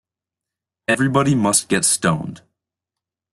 Everybody must get stoned.